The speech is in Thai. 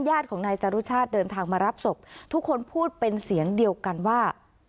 ญาติของนายจรุชาติเดินทางมารับศพทุกคนพูดเป็นเสียงเดียวกันว่า